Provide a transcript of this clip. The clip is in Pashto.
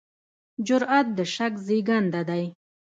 جرئت د شک زېږنده دی.